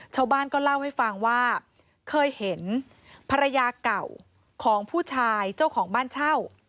ชาวบ้านก็เล่าให้ฟังว่าเคยเห็นภรรยาเก่าของผู้ชายเจ้าของบ้านเช่า